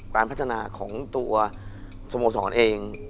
การพัฒนาของตัวสโมสรเอง